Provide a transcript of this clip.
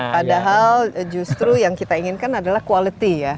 padahal justru yang kita inginkan adalah quality ya